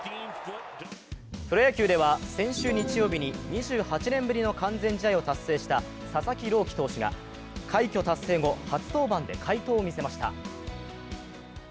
プロ野球では先週日曜日に２８年ぶりの完全試合を達成した佐々木朗希投手が快挙達成後、初登板で快投を見せました。